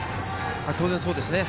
当然そうですね。